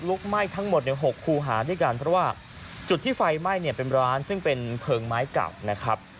ไหม้ทั้งหมดเนี่ย๖คูหาด้วยกันเพราะว่าจุดที่ไฟไหม้เนี่ยเป็นร้านซึ่งเป็นเพลิงไม้เก่านะครับ